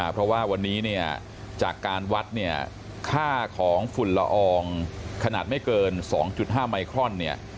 เพราะว่าวันนี้เนี่ยจากการวัดเนี่ยค่าของฝุ่นละอองขนาดไม่เกิน๒๕ไมครอนเนี่ย